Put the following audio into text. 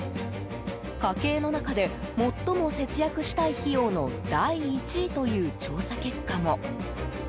家計の中で最も節約したい費用の第１位という調査結果も。